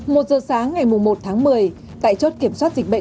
một giờ sáng ngày một tháng một mươi tại chốt kiểm soát dịch bệnh